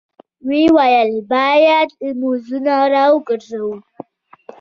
ويې ويل: بايد لمونځونه راوګرځوو!